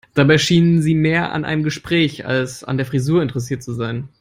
Dabei schien sie mehr an einem Gespräch als an der Frisur interessiert zu sein.